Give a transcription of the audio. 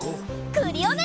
クリオネ！